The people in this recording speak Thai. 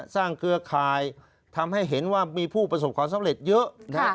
เครือข่ายทำให้เห็นว่ามีผู้ประสบความสำเร็จเยอะ